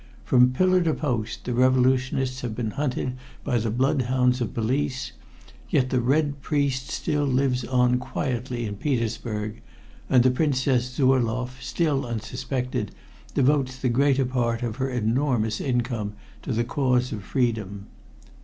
From pillar to post the revolutionists have been hunted by the bloodhounds of police, yet the "Red Priest" still lives on quietly in Petersburg, and the Princess Zurloff, still unsuspected, devotes the greater part of her enormous income to the cause of freedom.